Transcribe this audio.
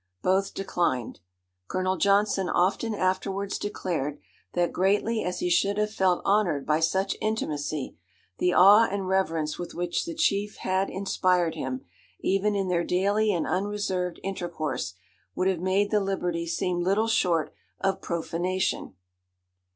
Both declined. Colonel Johnson often afterwards declared, that greatly as he should have felt honoured by such intimacy, the awe and reverence with which the chief had—inspired him, even in their daily and unreserved intercourse, would have made the liberty seem little short of profanation.